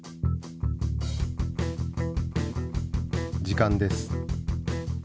時間です。